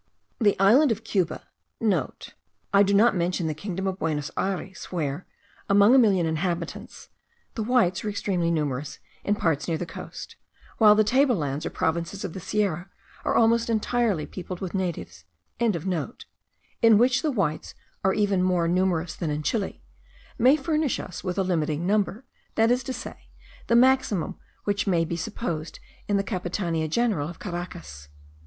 The island of Cuba,* (* I do not mention the kingdom of Buenos Ayres, where, among a million of inhabitants, the whites are extremely numerous in parts near the coast; while the table lands, or provinces of the sierra are almost entirely peopled with natives.) in which the whites are even more numerous than in Chile, may furnish us with a limiting number, that is to say, the maximum which may be supposed in the capitania general of Caracas.